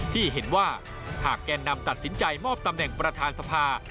ที่เห็นว่าหากแกนนำตัดสินใจมอบตำแหน่งประธานสภา